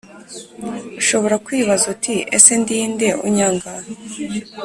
Ushobora kwibaza uti ese ndinde unyanga